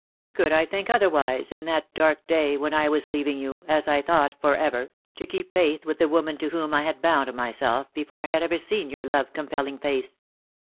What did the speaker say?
Could I think otherwise in that dark day when I was leaving you, as I thought, for ever, to keep faith with the woman to whom I had bound myself before I had ever seen your love com pelling face.